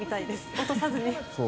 落とさずに。